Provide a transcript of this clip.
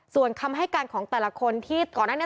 ส่วนคำให้การของแต่ละคนที่ก่อนหน้านี้